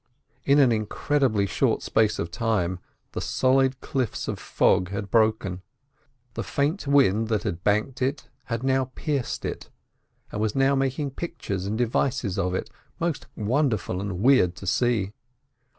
In an incredibly short space of time the solid cliffs of fog had broken. The faint wind that had banked it had pierced it, and was now making pictures and devices of it, most wonderful and weird to see.